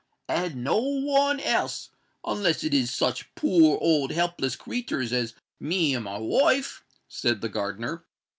"And no one else—unless it is such poor old helpless creaturs as me and my wife," said the gardener.